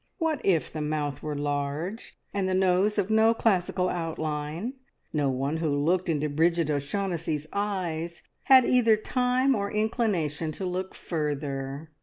What if the mouth were large, and the nose of no classical outline, no one who looked into Bridget O'Shaughnessy's eyes had either time or inclination to look further.